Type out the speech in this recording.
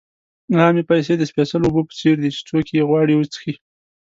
عامې پیسې د سپېڅلو اوبو په څېر دي چې څوک یې غواړي وڅښي.